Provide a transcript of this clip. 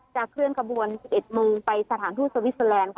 เคลื่อนขบวน๑๑โมงไปสถานทูตสวิสเตอร์แลนด์